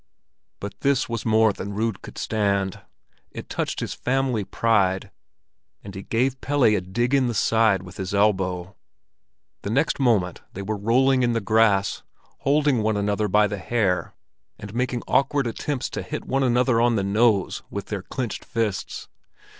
But this was more than Rud could stand. It had touched his family pride, and he gave Pelle a dig in the side with his elbow. The next moment they were rolling in the grass, holding one another by the hair, and making awkward attempts to hit one another on the nose with their clenched fists.